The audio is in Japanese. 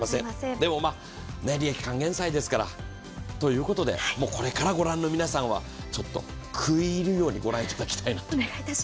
でも利益還元祭ですから。ということで、これから御覧の皆さんはちょっと食い入るように御覧いただきたいなと。